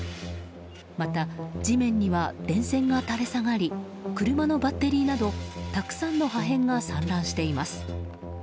また、地面には電線が垂れ下がり車のバッテリーなどたくさんの破片が散乱しています。